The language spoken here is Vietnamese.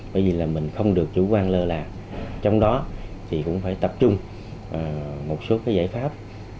bởi vì là mình không được chủ quan lơ là trong đó thì cũng phải tập trung một số cái giải pháp